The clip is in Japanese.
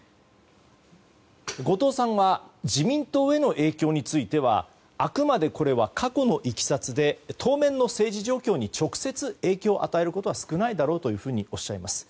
後藤さんは自民党への影響についてはあくまで過去のいきさつで当面の政治状況に直接影響を与えることは少ないだろうとおっしゃいます。